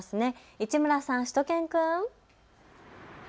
市村さん、しゅと犬くん。